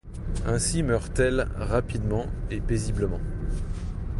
Ainsi meurt-elle rapidement et paisiblement.